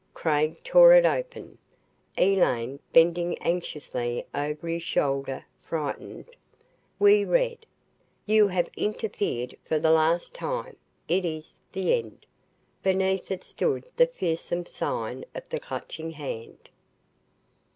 Craig tore it open, Elaine bending anxiously over his shoulder, frightened. We read: "YOU HAVE INTERFERED FOR THE LAST TIME. IT IS THE END." Beneath it stood the fearsome sign of the Clutching Hand!